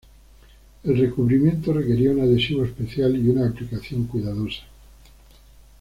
El recubrimiento requería un adhesivo especial y una aplicación cuidadosa.